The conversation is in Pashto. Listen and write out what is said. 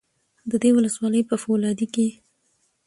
د دې ولسوالۍ په فولادي کې